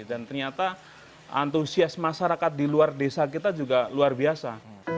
ternyata antusias masyarakat di luar desa kita juga luar biasa